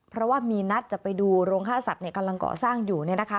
เพราะว่ามีนัดจะไปดูโรงค่าสัตว์เนี่ยกำลังเกาะสร้างอยู่เนี่ยนะคะ